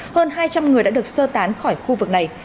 hơn hai trăm linh người đã được sơ tán khỏi khu vực này